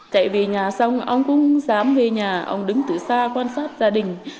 chạy về nhà xong ông cũng dám về nhà ông đứng từ xa quan sát gia đình